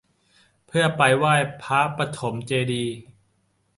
เพื่อไปไหว้พระปฐมเจดีย์